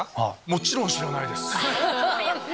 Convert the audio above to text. もちろん知らないです。